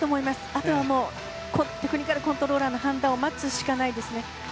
あとはもうテクニカルコントローラーの判断を待つしかないですね。